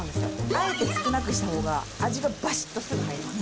あえて少なくしたほうが、味がばしっとすぐ入ります。